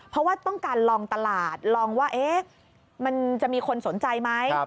เพราะว่าต้องการลองตลาดลองว่ามันจะมีคนสนใจไหม